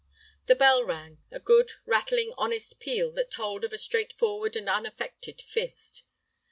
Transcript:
The bell rang, a good, rattling, honest peal that told of a straightforward and unaffected fist.